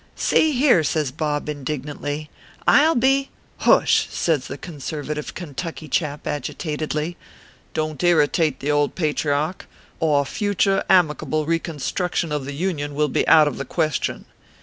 " See here," says Bob, indignantly, " I ll be" " Hush !" says the conservative Kentucky chap, agitatedly, " don t irritate the old patriarch, or future amicable reconstruction of the Union will be out of the question.